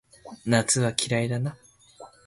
夏が嫌い